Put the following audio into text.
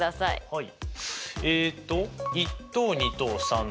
はい。